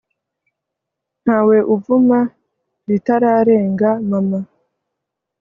ntawe uvuma iritararenga mama